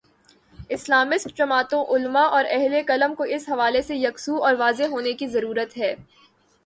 Islamist جماعتوں، علما اور اہل قلم کو اس حوالے سے یکسو اور واضح ہونے کی ضرورت ہے۔